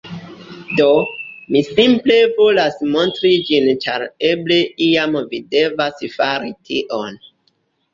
Do, mi simple volas montri ĝin ĉar eble iam vi devas fari tion